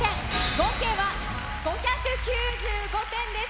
合計は５９５点です。